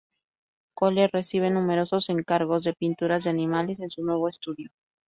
Koller recibe numerosos encargos de pinturas de animales en su nuevo estudio.